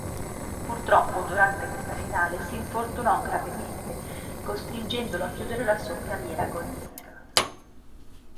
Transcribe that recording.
Purtroppo durante questa finale si infortunò gravemente costringendolo a chiudere la sua carriera agonistica.